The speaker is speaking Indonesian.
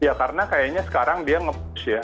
ya karena kayaknya sekarang dia nge push ya